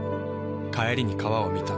帰りに川を見た。